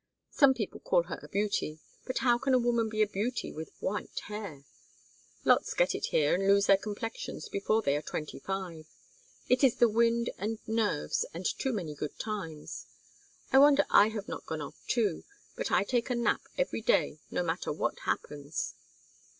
Some people call her a beauty, but how can a woman be a beauty with white hair? Lots get it here and lose their complexions before they are twenty five. It is the wind and nerves and too many good times. I wonder I have not gone off too, but I take a nap every day no matter what happens.